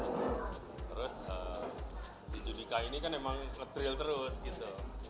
terus si judika ini kan emang nge trill terus gitu